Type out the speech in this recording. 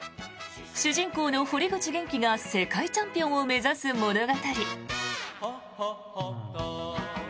主人公の堀口元気が世界チャンピオンを目指す物語。